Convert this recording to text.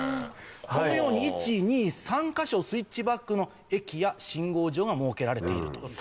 このように１・２・３か所スイッチバックの駅や信号場が設けられていると。